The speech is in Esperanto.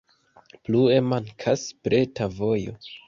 Plue mankas preta vojo.